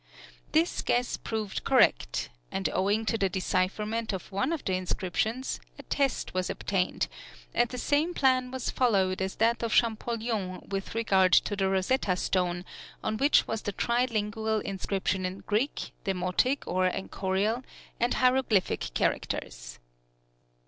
This guess proved correct; and owing to the decipherment of one of the inscriptions, a test was obtained, and the same plan was followed as that of Champollion with regard to the Rosetta stone, on which was the tri lingual inscription in Greek, Demotic or Enchorial, and hieroglyphic characters.